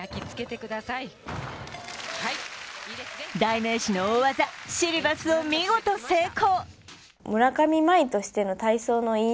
代名詞の大技・シリバスを見事成功。